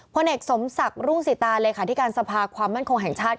พ่อเนกสมศักดิ์รุ่งสิตาเลยค่ะที่การสภาคความมั่นคงแห่งชาติ